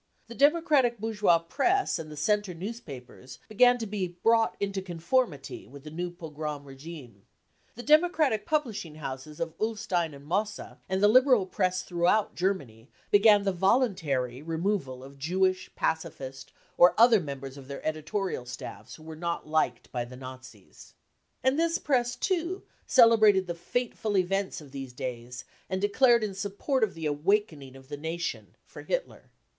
The democratic bour geois press and the Centre newspapers began to be THE CAMPAIGN AGAINST CULTURE igi fiC brought into conformity 55 with the new pogrom regime. The democratic publishing houses of Ullstein and Mosse and the liberal Press throughout Germany began the " voluntary 55 removal of Jewish, pacifist or other members of their editorial staffs who were not liked by the Nazis, And this press too celebrated the " fateful events of these days/ 9 and declared in support of the " awakening 53 of the nation, for Hitler.